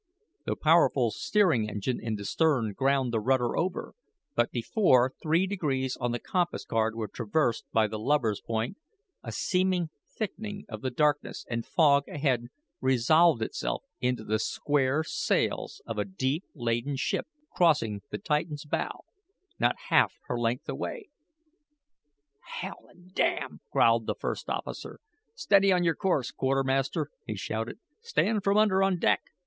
The powerful steering engine in the stern ground the rudder over; but before three degrees on the compass card were traversed by the lubber's point, a seeming thickening of the darkness and fog ahead resolved itself into the square sails of a deep laden ship, crossing the Titan's bow, not half her length away. "H l and d " growled the first officer. "Steady on your course, quartermaster," he shouted. "Stand from under on deck."